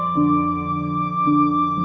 kalau nikah saja